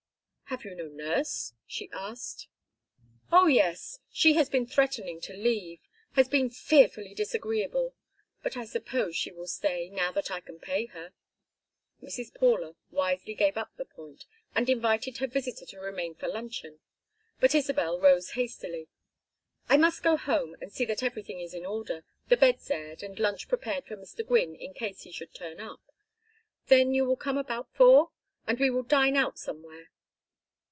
"Have you no nurse?" she asked. "Oh yes. She has been threatening to leave has been fearfully disagreeable but I suppose she will stay, now that I can pay her." Mrs. Paula wisely gave up the point and invited her visitor to remain for luncheon. But Isabel rose hastily. "I must go home and see that everything is in order the beds aired, and lunch prepared for Mr. Gwynne in case he should turn up. Then you will come about four? And we will dine out somewhere?"